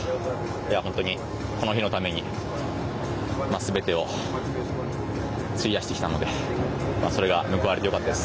本当にこの日のためにすべてを費やしてきたのでそれが報われてよかったです。